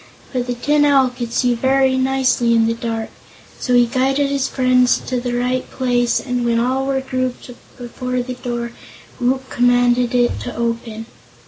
But the Tin Owl could see very nicely in the dark, so he guided his friends to the right place and when all were grouped before the door Woot commanded it to open.